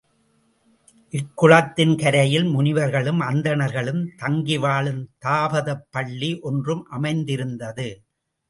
இக் குளத்தின் கரையில் முனிவர்களும் அந்தணர்களும் தங்கிவாழும் தாபதப் பள்ளி ஒன்றும் அமைந்திருந்தது.